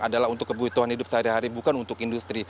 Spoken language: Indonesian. adalah untuk kebutuhan hidup sehari hari bukan untuk industri